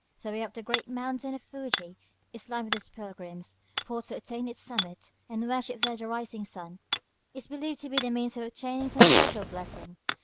The way up the great mountain of Fuji is lined with these pilgrims; for to attain its summit, and worship there the rising sun, is believed to be the means of obtaining some special blessing.